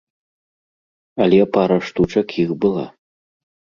Але пара штучак іх была.